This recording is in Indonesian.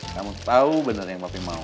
kamu tau bener yang papi mau